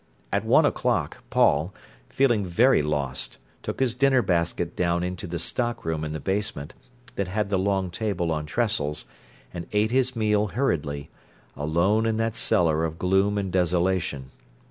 At one o'clock, Paul, feeling very lost, took his dinner basket down into the stockroom in the basement, that had the long table on trestles, and ate his meal hurriedly, alone in that cellar of gloom and desolation.